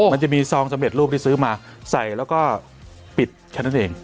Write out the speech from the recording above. มันจะมีซองสำเร็จรูปที่ซื้อมาใส่แล้วก็ปิดแค่นั้นเอง